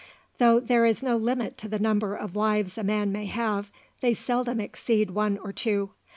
Though there is no limit to the number of wives a man may have, they seldom exceed one or two.